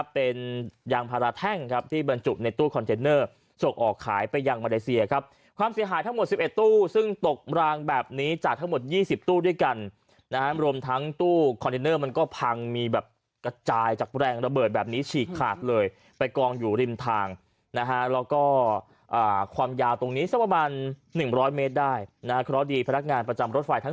เป็นยางพาราแท่งครับที่บรรจุในตู้คอนเทนเนอร์ส่งออกขายไปยังมาเลเซียครับความเสียหายทั้งหมด๑๑ตู้ซึ่งตกรางแบบนี้จากทั้งหมด๒๐ตู้ด้วยกันนะฮะรวมทั้งตู้คอนเทนเนอร์มันก็พังมีแบบกระจายจากแรงระเบิดแบบนี้ฉีกขาดเลยไปกองอยู่ริมทางนะฮะแล้วก็ความยาวตรงนี้สักประมาณ๑๐๐เมตรได้นะฮะเพราะดีพนักงานประจำรถไฟทั้ง